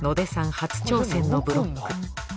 初挑戦のブロック。